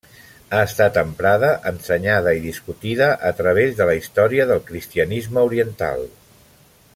Ha estat emprada, ensenyada i discutida a través de la història del cristianisme oriental.